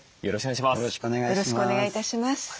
よろしくお願いします。